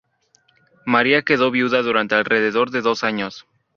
María quedó viuda durante alrededor de dos años.